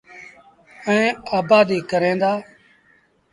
ائيٚݩ آبآديٚ ڪريݩ دآ۔